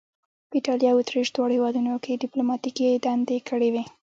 په ایټالیا او اتریش دواړو هیوادونو کې یې دیپلوماتیکې دندې کړې وې.